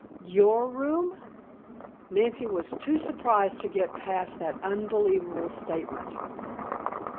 "Your room!" Nancy was too surprised to get past that unbelievable statement.